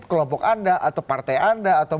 kelompok anda atau partai anda atau